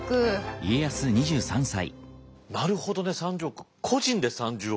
なるほどね３０億。